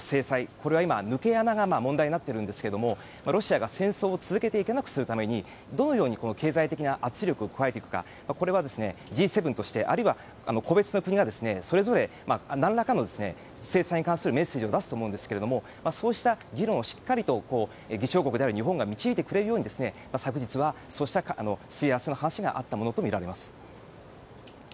これ、今、抜け穴が問題になっているんですがロシアが戦争を続けていけなくするためにどのように経済的な圧力を加えていくかこれはＧ７としてあるいは個別の国がそれぞれなんらかの制裁に関するメッセージを出すと思うんですがそうした議論を議長国である日本が導いてくれるように、昨日はそうしたすり合わせの話があったものとみられます。